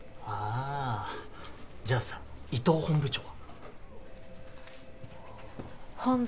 あじゃあさ伊藤本部長は？